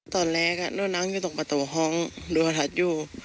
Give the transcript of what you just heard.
ตอนแรกดูนั่งอยู่ตรงประตูห้องดูประทัดอยู่